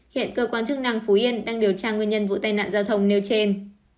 hiện cơ quan chức năng phú yên đang điều tra nguyên nhân vụ tai nạn giao thông nêu trên